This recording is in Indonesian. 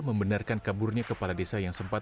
membenarkan kaburnya kepala desa